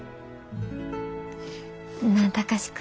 なあ貴司君。